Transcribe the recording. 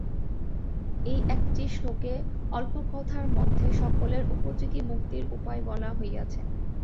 এই একটি শ্লোকে অল্প কথার মধ্যে সকলের উপযোগী মুক্তির উপায় বলা হইয়াছে।